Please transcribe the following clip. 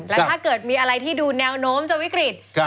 แล้วถ้าเกิดมีอะไรที่ดูแนวโน้มจะวิกฤต